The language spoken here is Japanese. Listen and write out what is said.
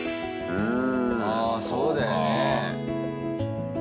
うん。